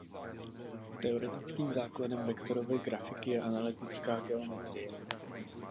Teoretickým základem vektorové grafiky je analytická geometrie.